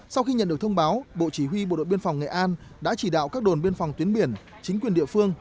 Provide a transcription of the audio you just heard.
sau khi nhận được thông báo bộ chỉ huy bộ đội biên phòng nghệ an đã chỉ đạo các đồn biên phòng tuyến biển chính quyền địa phương